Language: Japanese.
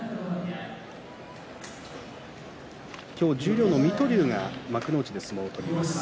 十両の水戸龍が今日幕内で相撲を取ります。